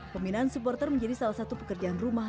pembinaan supporter menjadi salah satu pekerjaan rumah